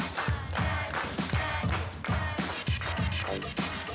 sampai jumpa di video selanjutnya